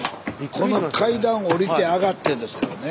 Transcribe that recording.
この階段下りて上がってですからね。